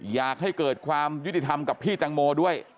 อยากให้เกิดความยุติธรรมกับพี่ตังโมด้วย